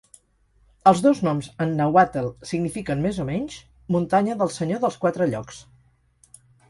Els dos noms en nàhuatl signifiquen més o menys 'Muntanya del Senyor dels Quatre Llocs'.